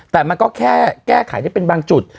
แต่มันก็แค่แก้ไขได้เป็นบางจุด